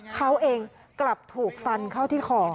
เขาเองกลับถูกฟันเข้าที่คอ